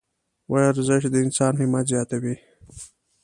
ورزش د انسان همت زیاتوي.